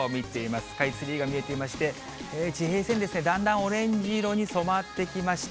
スカイツリーが見えていまして、地平線ですね、だんだんオレンジ色に染まってきました。